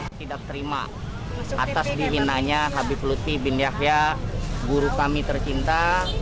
tidak terima atas dihinanya habib lutfi bin yahya guru kami tercinta